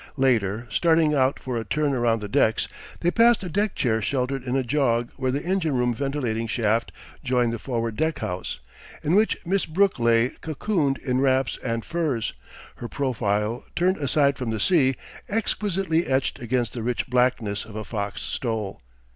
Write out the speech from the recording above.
Later, starting out for a turn around the decks, they passed a deck chair sheltered in a jog where the engine room ventilating shaft joined the forward deck house, in which Miss Brooke lay cocooned in wraps and furs, her profile, turned aside from the sea, exquisitely etched against the rich blackness of a fox stole.